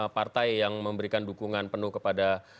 partai yang memberikan dukungan penuh kepada